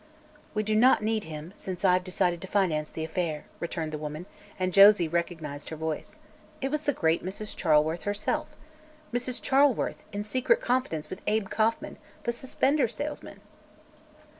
"We do not need him, since I've decided to finance the affair," returned the woman, and Josie recognized her voice. It was the great Mrs. Charleworth herself. Mrs. Charleworth, in secret conference with Abe Kauffman, the suspender salesman!